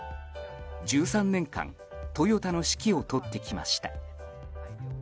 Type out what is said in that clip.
１３年間トヨタの指揮を執ってきました。